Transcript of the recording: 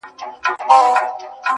عجب راگوري د خوني سترگو څه خون راباسـي~